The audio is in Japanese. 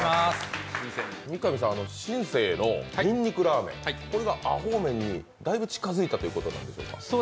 三神さん、新世のにんにくラーメン、これがアホーメンにだいぶ近づいたということですか。